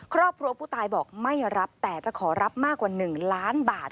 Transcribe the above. ครอบครัวผู้ตายบอกไม่รับแต่จะขอรับมากกว่า๑ล้านบาท